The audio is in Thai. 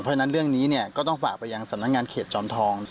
เพราะฉะนั้นเรื่องนี้เนี่ยก็ต้องฝากไปยังสำนักงานเขตจอมทอง